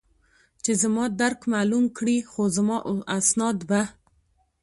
چې زما درک معلوم کړي، خو زما اسناد به.